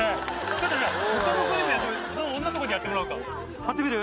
ちょっとじゃあ他の子にも女の子にやってもらおうか貼ってみる？